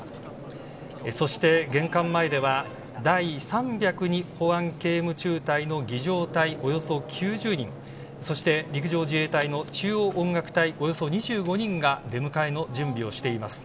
そして、玄関前では第３０２保安警務中隊の儀仗隊およそ９０人そして、陸上自衛隊の中央音楽隊およそ２５人が出迎えの準備をしています。